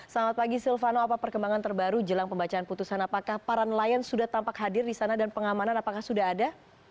selamat pagi silvano apa perkembangan terbaru jelang pembacaan putusan apakah para nelayan sudah tampak hadir di sana dan pengamanan apakah sudah ada